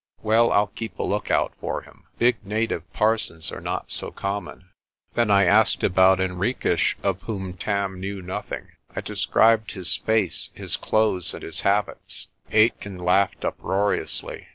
Well, I'll keep a lookout for him. Big native parsons are not so common." Then I asked about Henriques, of whom Tam knew noth ing. I described his face, his clothes, and his habits. Aitken laughed uproariously.